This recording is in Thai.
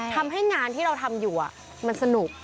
ทำให้งานที่เราทำอยู่มันสนุก